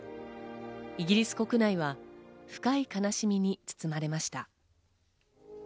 イギリス国内は深い悲しみに包まれました。